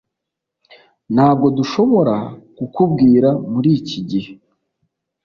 Ntabwo dushobora kukubwira muri iki gihe.